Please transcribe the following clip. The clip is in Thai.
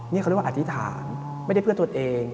นี่เขาเรียกว่าอธิษฐานไม่ได้เพื่อตัวเอง